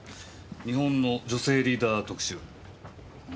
「日本の女性リーダー特集」？